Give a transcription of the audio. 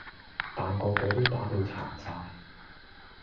但個個都打到殘晒